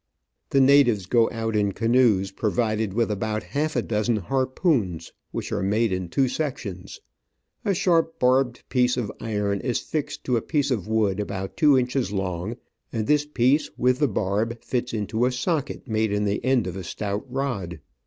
The natives go out in canoes, pro vided with about half a dozen harpoons, which are made in two sections. A sharp, barbed piece of iron is fixed to a piece of wood about two inches long, and this piece with the barb fits into a socket made in the end of a stout rod.